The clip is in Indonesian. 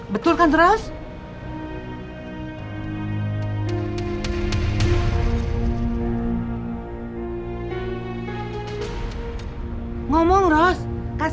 betul kan eros